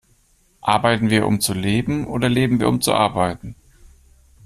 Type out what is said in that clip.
Arbeiten wir, um zu leben oder leben wir, um zu arbeiten?